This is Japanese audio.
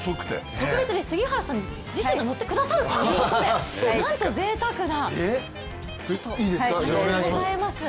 特別に杉原さん自身が乗ってくださるということで、なんとぜいたくな。